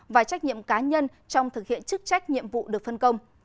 và trách nhiệm cá nhân trong thực hiện chức trách nhiệm vụ được phân công